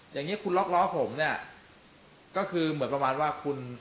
อย่างนี้คุณล็อกล้อผมเนี่ยก็คือเหมือนประมาณว่าคุณ